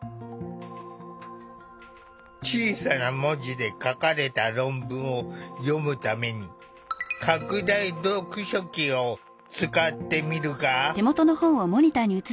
小さな文字で書かれた論文を読むために拡大読書器を使ってみるが。